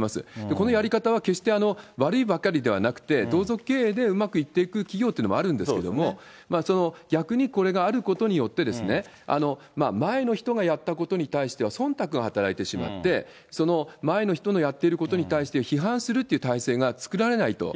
このやり方は決して悪いばかりではなくて、同族経営でうまくいっていく企業というのもあるんですけれども、その逆に、これがあることによってですね、前の人がやったことに対してはそんたくが働いてしまって、前の人のやっていることに対して批判するという体制が作られないと。